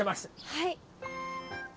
はい。